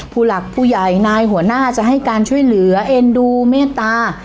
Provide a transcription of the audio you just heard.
ผู้หลักผู้ใหญ่นายหัวหน้าจะให้การช่วยเหลือเอ็นดูเมตตา